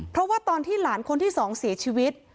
เพราะว่าตอนที่หลานคนที่๒เสียชีวิต